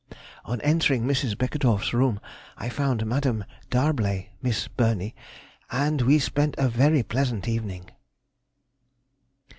On entering Mrs. Beckedorff's room I found Madame D'Arblay (Miss Burney), and we spent a very pleasant evening.